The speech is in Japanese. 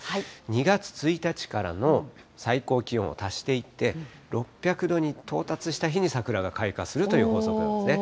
２月１日からの最高気温を足していって、６００度に到達したときにサクラが開花するという法則なんですね。